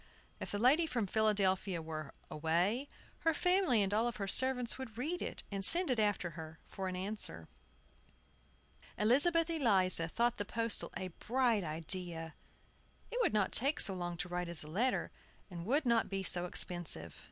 If the lady from Philadelphia were away, her family and all her servants would read it, and send it after her, for answer. Elizabeth Eliza thought the postal a bright idea. It would not take so long to write as a letter, and would not be so expensive.